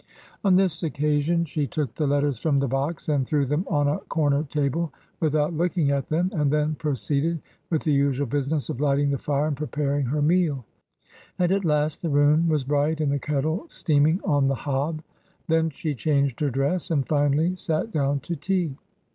On this occasion she took the letters from the box and threw them on a corner table without looking at them, and then proceeded with the usual business of lighting the fire and preparing her meal. And at last the room was bright and the kettle steaming on the hob. Then she changed her dress^ and finally sat down to tea.